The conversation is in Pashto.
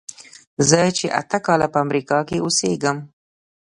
زه چې اته کاله په امریکا کې اوسېږم.